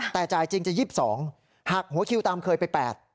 แต่จ่ายจริงจะ๒๒หักหัวคิวตามเคยไป๘